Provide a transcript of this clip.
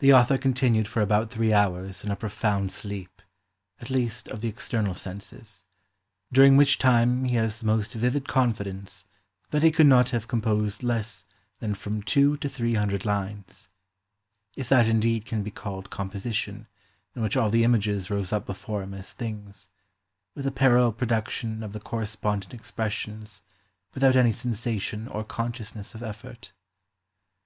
The author continued for about three hours in a profound sleep, at least of the external senses, during which time he has the most vivid confidence that he could not have com posed less than from two to three hundred lines; if that indeed can be called composition in which all the images rose up before him as things, with a parallel production of the correspondent expressions, without any sensation or consciousness of effort.